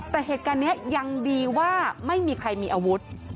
แต่เหตุการณ์นี้ยังดีว่าไม่มีใครมีอาวุธ